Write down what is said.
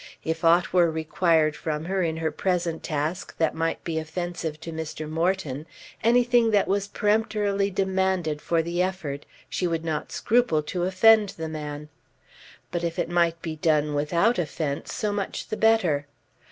If aught were required from her in her present task that might be offensive to Mr. Morton, anything that was peremptorily demanded for the effort, she would not scruple to offend the man. But if it might be done without offence, so much the better.